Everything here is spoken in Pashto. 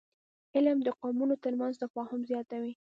علم د قومونو ترمنځ تفاهم زیاتوي